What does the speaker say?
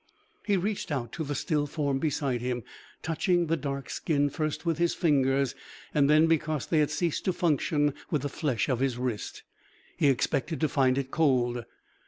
He reached out to the still form beside him, touching the dark skin first with his fingers, and then, because they had ceased to function, with the flesh of his wrist. He expected to find it cold.